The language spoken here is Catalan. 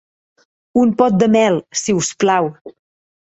Un pot de mel, si us plau.